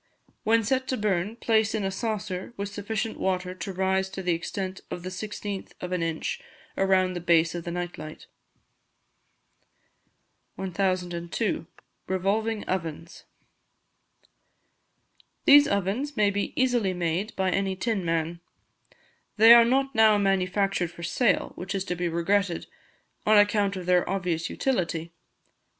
When set to burn, place in a saucer, with sufficient water to rise to the extent of the 16th of an inch around the base of the night light. 1002. Revolving Ovens. These ovens may be easily made by any tin man. They are not now manufactured for sale, which is to be regretted, on account of their obvious utility.